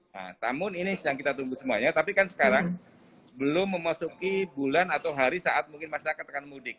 nah namun ini sedang kita tunggu semuanya tapi kan sekarang belum memasuki bulan atau hari saat mungkin masyarakat akan mudik